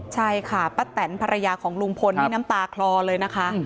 ใช่ค่ะป้าแตนภรรยาของลุงพลนี่น้ำตาคลอเลยนะคะ